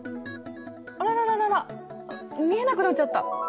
あらららららっ見えなくなっちゃった。